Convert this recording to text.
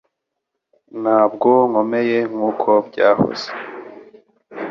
Ntabwo nkomeye nkuko byahoze